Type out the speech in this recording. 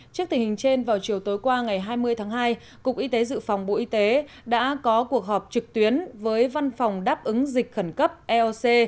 trước tình hình trên vào chiều tối qua ngày hai mươi tháng hai cục y tế dự phòng bộ y tế đã có cuộc họp trực tuyến với văn phòng đáp ứng dịch khẩn cấp eoc